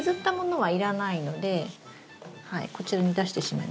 はい。